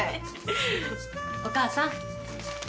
お母さん。